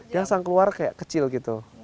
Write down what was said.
dia sang keluar kayak kecil gitu